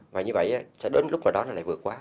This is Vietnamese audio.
và như vậy sẽ đến lúc nào đó nó lại vượt qua